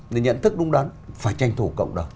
để nhận thức đúng đắn phải tranh thủ cộng đồng